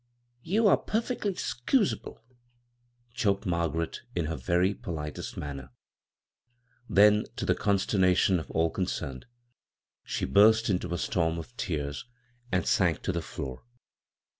"You are perfeckly 'scusable," choked Margaret, in her very politest manner ; then, to the consternation of all concerned, she burst into a storm of tears and sank to the floor.